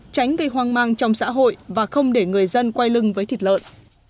tránh gây hoang mang trong xã hội và không để người dân quay lưng với thịt lợn